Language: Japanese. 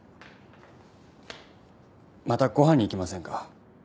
またご飯に行きませんか？